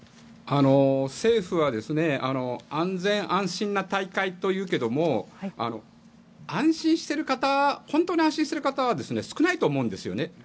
政府は安全・安心な大会というけども本当に安心してる方は少ないと思うんですよね。